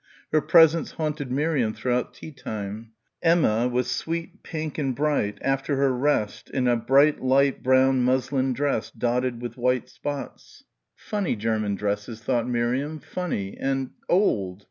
Her presence haunted Miriam throughout tea time. Emma was sweet, pink and bright after her rest in a bright light brown muslin dress dotted with white spots.... Funny German dresses, thought Miriam, funny ... and old.